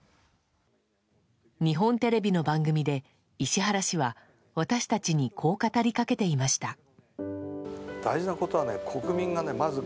日本テレビの番組で石原氏は私たちにこう語りかけていました。